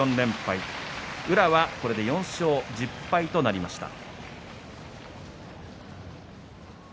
宇良はこれで４勝１０敗となりました。